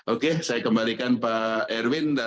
oke saya kembalikan pak erwin